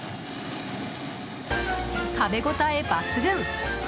食べ応え抜群！